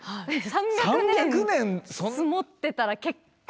３００年積もってたら結構。